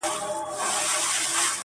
له خپل ځانه مي کافر جوړ کړ ته نه وي؛